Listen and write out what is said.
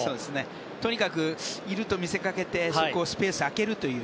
とにかくいると見せかけてそこのスペースを空けるという。